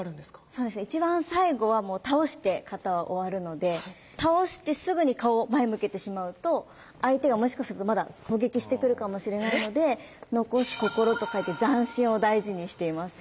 そうですね一番最後はもう倒して形は終わるので倒してすぐに顔を前へ向けてしまうと相手がもしかするとまだ攻撃してくるかもしれないので残す心と書いて「残心」を大事にしています。